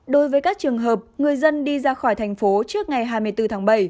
đối với các trường hợp người dân đi ra khỏi thành phố trước ngày hai mươi bốn tháng bảy